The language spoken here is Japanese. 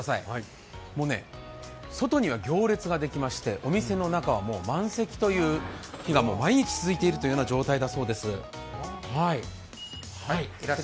もうね、外には行列ができましてお店の中は満席という毎日続いているという状態なんだそうです。